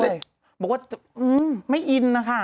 อุ๊ยบอกได้แค่นี้แม่